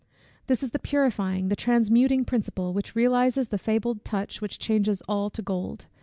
This is the purifying, the transmuting principle, which realizes the fabled touch, which changes all to gold.